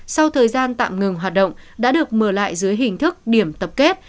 sau thời gian tạm ngừng hoạt động đã được mở lại dưới hình thức điểm tập kết